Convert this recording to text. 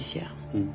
うん。